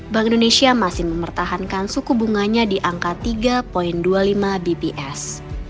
bank indonesia masih mempertahankan suku bunganya di angka tiga dua puluh lima bps